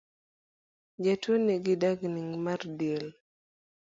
Jatuo nigi dang’ni mar del